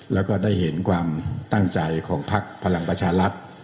แล้วก็ได้เห็นความตั้งใจของภักดิ์พลังประชารัฐ